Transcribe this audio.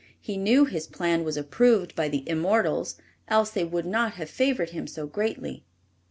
He knew his plan was approved by the immortals, else they would not have favored him so greatly.